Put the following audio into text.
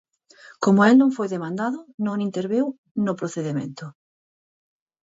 Como el non foi demandado, non interveu no procedemento.